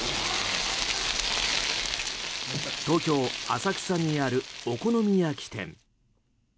東京・浅草にあるお好み焼き店。